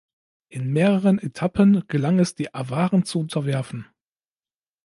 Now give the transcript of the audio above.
In mehreren Etappen gelang es die Awaren zu unterwerfen.